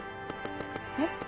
えっ？